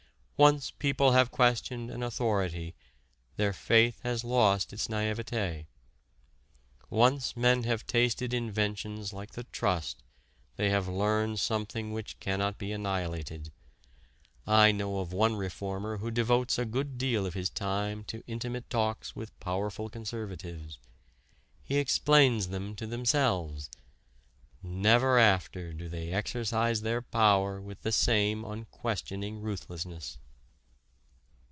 Once people have questioned an authority their faith has lost its naïveté. Once men have tasted inventions like the trust they have learned something which cannot be annihilated. I know of one reformer who devotes a good deal of his time to intimate talks with powerful conservatives. He explains them to themselves: never after do they exercise their power with the same unquestioning ruthlessness.